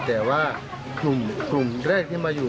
แต่ว่ากลุ่มแรกที่มาอยู่